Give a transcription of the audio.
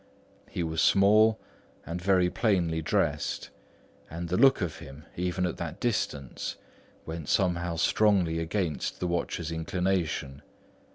He was small and very plainly dressed and the look of him, even at that distance, went somehow strongly against the watcher's inclination.